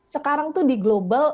sekarang itu di global